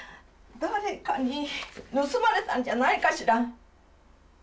誰かに盗まれたんじゃないかしら？